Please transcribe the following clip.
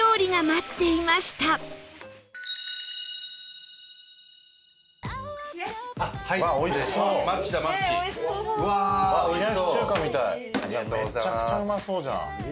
めちゃくちゃうまそうじゃん。